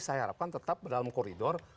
saya harapkan tetap dalam koridor